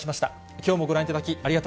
きょうもご覧いただき、ありがと